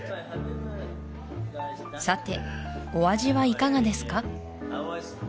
さてお味はいかがですか？